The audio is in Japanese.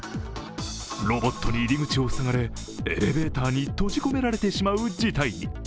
ロボットに入り口を塞がれエレベーターに閉じ込められてしまう事態に。